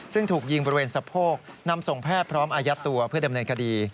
ซึ่งถูกยิงบริเวณสะโพกนำส่งแพทย์พร้อมอายัดตัวเพื่อดำเนินคดี